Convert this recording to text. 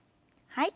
はい。